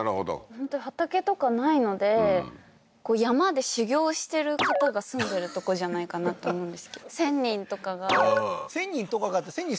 本当に畑とかないので山で修行してる方が住んでるとこじゃないかなと思うんですけど仙人とかが「仙人とかが」って仙人